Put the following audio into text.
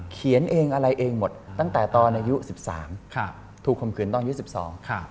เขียนเองอะไรเองหมดตั้งแต่ตอนอายุ๑๓ถูกควรคืนตอนอายุ๑๒